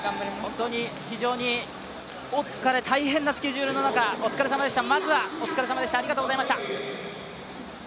本当に非常に大変なスケジュールの中お疲れさまでした。